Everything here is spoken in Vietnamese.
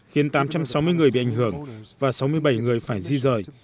khiến tám trăm sáu mươi người bị ảnh hưởng và sáu mươi bảy người phải di rời